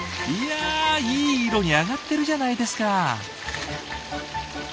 いやいい色に揚がってるじゃないですか。